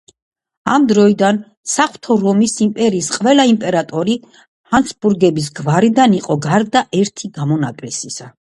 ამ დროიდან საღვთო რომის იმპერიის ყველა იმპერატორი ჰაბსბურგების გვარიდან იყო, გარდა ერთი გამონაკლისისა.